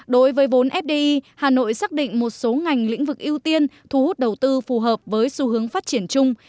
đối với vốn fdi hà nội xác định một số ngành lĩnh vực ưu tiên thu hút đầu tư phù hợp với xu hướng phát triển chung